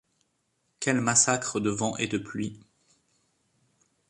Quel massacre de vent et de pluie !